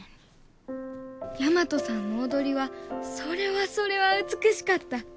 大和さんの踊りはそれはそれは美しかった。